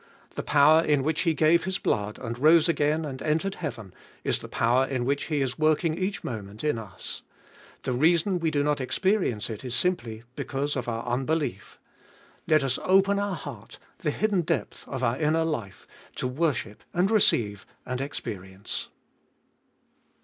The power in which He gave His blood, and rose again and entered heaven, is the power in which He is working each moment in us. The reason we do not experience it is simply, because of our unbelief. Let us open our heart, the hidden depth of our inner life, to worship and receive and experience.